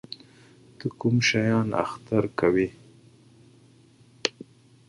ته کوم شیان اختر کوې؟